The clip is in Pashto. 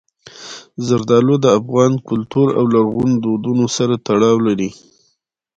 زردالو د افغان کلتور او لرغونو دودونو سره تړاو لري.